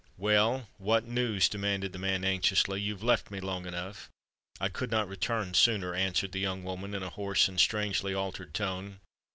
"Well, what news?" demanded the man anxiously "You've left me long enough——" "I could not return sooner," answered the young woman, in a hoarse and strangely altered tone.